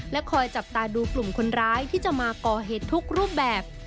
คอยจับตาดูกลุ่มคนร้ายที่จะมาก่อเหตุทุกรูปแบบ